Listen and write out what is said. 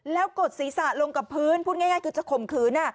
แล้วกดศีรษะลงกับพื้นพูดง่ายคือจะข่มขืน